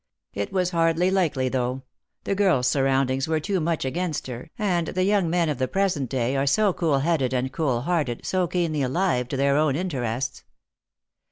It was hardly likely, though. The girl's surroundings were too much against her, and the young men of the present day are so cool headed and cool hearted, so keenly alive to their own interests.